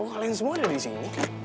oh kalian semua ada di sini